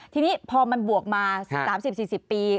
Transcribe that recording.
ทีนี้พอมันบวกมา๓๐๔๐ปี